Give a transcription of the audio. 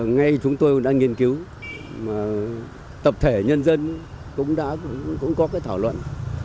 ngay chúng tôi đã nghiên cứu tập thể nhân dân cũng đã có thảo luận